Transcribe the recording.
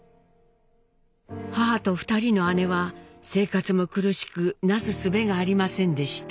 母と２人の姉は生活も苦しくなすすべがありませんでした。